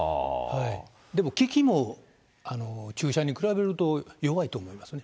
でも効きも、注射に比べると弱いと思いますね。